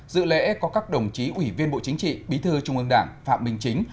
dự lễ có các đồng chí ủy viên bộ chính trị bí thư trung ương đảng phạm minh chính